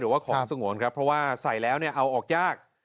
หรือว่าของสงวนครับเพราะว่าใส่แล้วเอาออกยาก